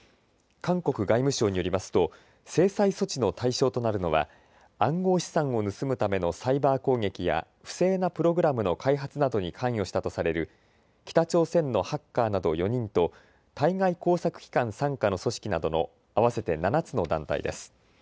韓国外務省によりますと制裁措置の対象となるのは暗号資産を盗むためのサイバー攻撃や不正なプログラムの開発などに関与したとされる北朝鮮のハッカーなど４人と対外工作機関傘下の組織などの合わせて７つの団体です。